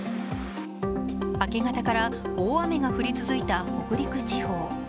明け方から大雨が降り続いた北陸地方。